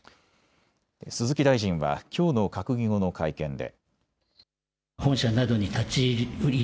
鈴木大臣はきょうの閣議後の会見で。